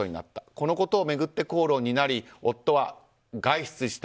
このことを巡って口論になり夫は外出した。